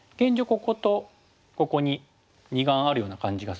こことここに二眼あるような感じがするので。